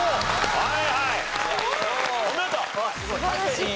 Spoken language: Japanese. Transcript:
はい。